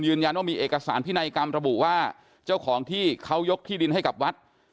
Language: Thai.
ยืนยันว่ามีเอกสารพินัยกรรมระบุว่าเจ้าของที่เขายกที่ดินให้กับวัด